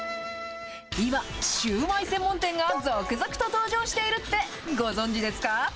今、シューマイ専門店が続々と登場しているって、ご存じですか？